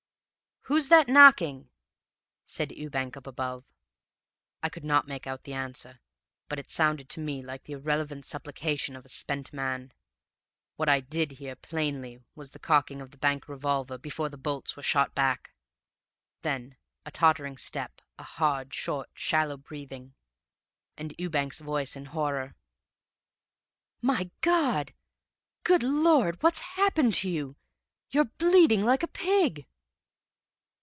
"'Who's that knocking?' said Ewbank up above. "I could not make out the answer, but it sounded to me like the irrelevant supplication of a spent man. What I did hear, plainly, was the cocking of the bank revolver before the bolts were shot back. Then, a tottering step, a hard, short, shallow breathing, and Ewbank's voice in horror "'My God! Good Lord! What's happened to you? You're bleeding like a pig!'